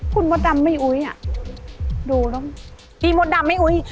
คุณมดดำไม่อุ๊ยอ่ะดูแล้วพี่มดดำไม่อุ๊ย